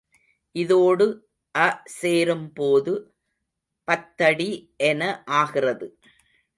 இதோடு அ சேரும்போது பத்தடி என ஆகிறது.